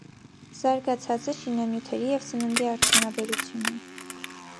Զարգացած է շինանյութերի և սննդի արդյունաբերությունը։